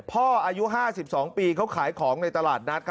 อายุ๕๒ปีเขาขายของในตลาดนัด